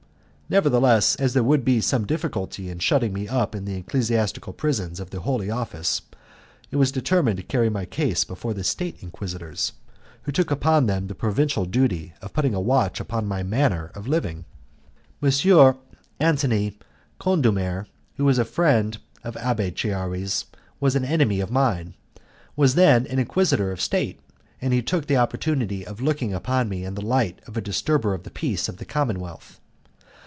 Nevertheless, as there would be some difficulty in shutting me up in the ecclesiastical prisons of the Holy Office, it was determined to carry my case before the State Inquisitors, who took upon themselves the provisional duty of putting a watch upon my manner of living. M. Antony Condulmer, who as a friend of Abbé Chiari's was an enemy of mine, was then an Inquisitor of State, and he took the opportunity of looking upon me in the light of a disturber of the peace of the commonwealth.